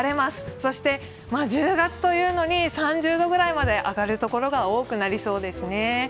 そして１０月というのに３０度ぐらいまで上がるところが多くなりそうですね。